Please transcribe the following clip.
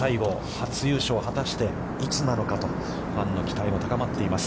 初優勝を果たしていつなのかというファンの期待も高まっています。